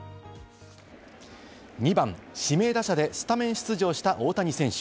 ２番・指名打者でスタメン出場した大谷選手。